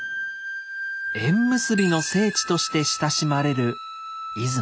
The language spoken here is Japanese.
「縁結びの聖地」として親しまれる出雲。